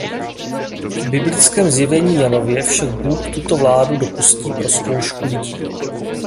V biblickém Zjevení Janově však Bůh tuto vládu dopustí pro zkoušku lidí.